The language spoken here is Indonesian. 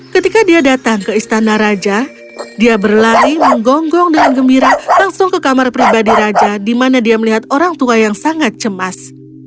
ketika dia datang ke istana raja dia berlari menggonggong dengan gembira langsung ke kamar pribadi raja di mana dia melihat orang tua yang sangat cemas